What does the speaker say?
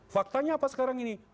faktanya apa sekarang ini